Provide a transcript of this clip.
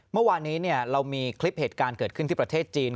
เมื่อวานนี้เรามีคลิปเหตุการณ์เกิดขึ้นที่ประเทศจีน